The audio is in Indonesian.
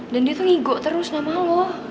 dan dia tuh ngigo terus nama lo